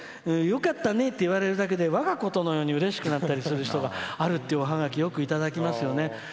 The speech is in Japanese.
よかったねって言われるだけでわがことのようにうれしくなったりする人があるっていうおハガキをいただきますよね。